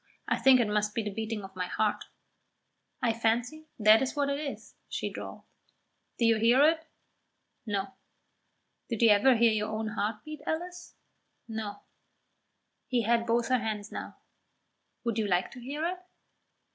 I think it must be the beating of my heart." "I fancy that is what it is," she drawled. "Do you hear it?" "No." "Did you ever hear your own heart beat, Alice?" "No." He had both her hands now. "Would you like to hear it?"